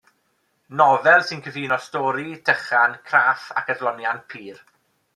Nofel sy'n cyfuno stori, dychan craff ac adloniant pur.